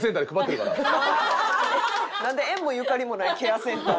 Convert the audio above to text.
なんで縁もゆかりもないケアセンターで。